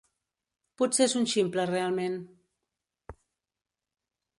Potser és un ximple realment.